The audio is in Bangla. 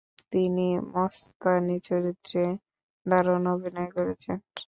তিনি মস্তানি চরিত্রে দারুণ অভিনয় করেছেন।